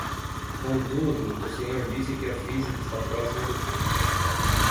Contudo, o senhor disse que a física está “próxima do fim”